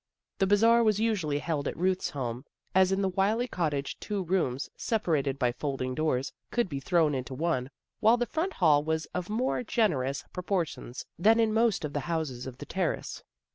The Bazar was usually held at Ruth's home, as in the Wylie cottage two rooms, separated by folding doors, could be thrown into one, while the front hall was of more generous pro portions than in most of the houses of the Ter race.